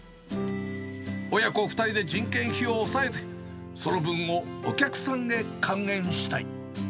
親子２人で人件費を抑えて、その分をお客さんへ還元したい。